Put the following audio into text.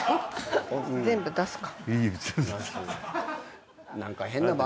全部出すか。